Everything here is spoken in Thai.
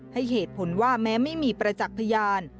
ให้เหตุผลว่าแม้ไม่มีประจักษ์พยาน